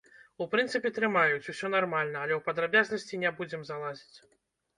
У прынцыпе, трымаюць, усё нармальна, але ў падрабязнасці не будзем залазіць.